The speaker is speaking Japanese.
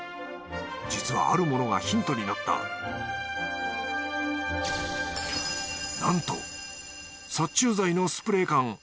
実はあるものがヒントになったなんと殺虫剤のスプレー缶。